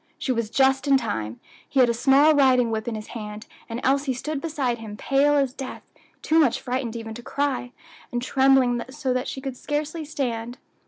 She was just in time; he had a small riding whip in his hand, and Elsie stood beside him pale as death, too much frightened even to cry, and trembling so that she could scarcely stand.